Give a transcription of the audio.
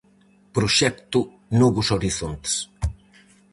Proxecto novos horizontes.